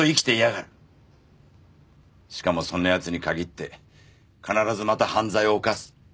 しかもそんなやつに限って必ずまた犯罪を犯す。